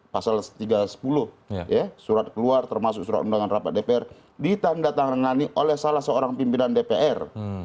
pasal tiga sepuluh ya surat keluar termasuk surat undangan rapat dpr ditandatangani oleh salah seorang pimpinan dpr